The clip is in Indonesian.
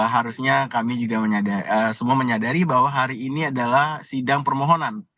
harusnya kami juga semua menyadari bahwa hari ini adalah sidang permohonan